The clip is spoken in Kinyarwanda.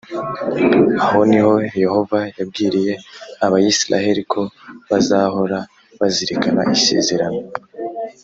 Aho ni ho Yehova yabwiriye abayisiraheli ko bazahora bazirikana isezerano